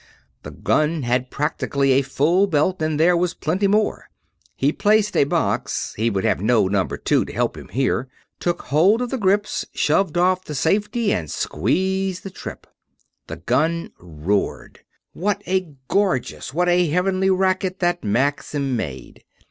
The gun had practically a full belt and there was plenty more. He placed a box he would have no Number Two to help him here took hold of the grips, shoved off the safety, and squeezed the trip. The gun roared what a gorgeous, what a heavenly racket that Maxim made!